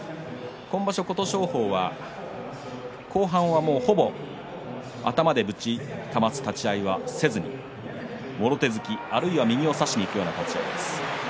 今場所、琴勝峰は後半はもうほぼ頭でぶちかます立ち合いはせずにもろ手突きに、あるいは右を差しにいくような形の立ち合いでした。